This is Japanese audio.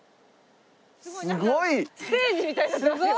すごい！ステージみたいになってますよ。